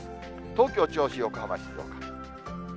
東京、銚子、横浜、静岡。